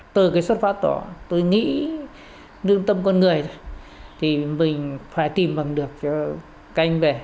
từ cái xuất phát đó tôi nghĩ đương tâm con người thì mình phải tìm bằng được cho canh về